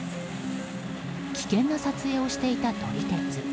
危険な撮影をしていた撮り鉄。